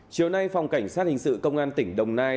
chiều nay phòng cảnh sát hình sự công an tỉnh đồng nai